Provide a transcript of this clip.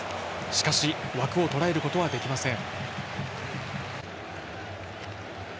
しかし、枠をとらえることはできません。